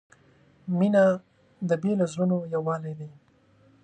• مینه د بېلو زړونو یووالی دی.